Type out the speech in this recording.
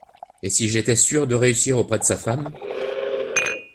Et si j’étais sûr de réussir auprès de sa femme…